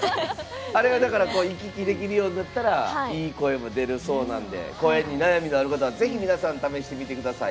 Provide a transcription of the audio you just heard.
あれができるようになったらいい声も出るそうなので声に悩みのある方はぜひ、試してみてください。